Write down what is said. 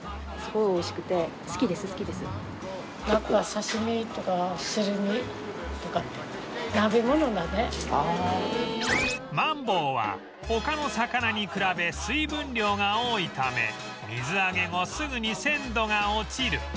やっぱマンボウは他の魚に比べ水分量が多いため水揚げ後すぐに鮮度が落ちる